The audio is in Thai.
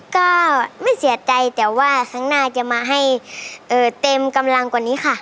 ก็ไม่เสียใจแต่ว่าครั้งหน้าจะมาให้เต็มกำลังกว่านี้ค่ะ